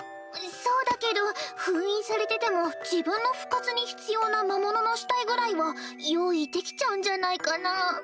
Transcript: そうだけど封印されてても自分の復活に必要な魔物の死体ぐらいは用意できちゃうんじゃないかなぁ。